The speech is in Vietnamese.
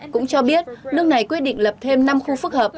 cũng cho biết nước này quyết định lập thêm năm khu phức hợp